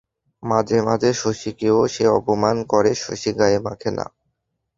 মাঝে মাঝে শশীকেও সে অপমান করে, শশী গায়ে মাখে না।